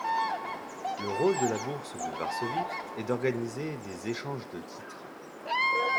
Le rôle de la Bourse de Varsovie est d'organiser des échanges de titres.